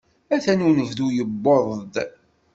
Atan unebdu yewweḍ-d.